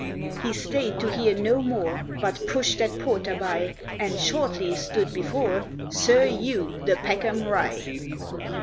He stayed to hear no more, But pushed that porter by, And shortly stood before SIR HUGH DE PECKHAM RYE.